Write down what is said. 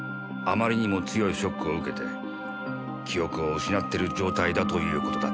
あまりにも強いショックを受けて記憶を失ってる状態だという事だった。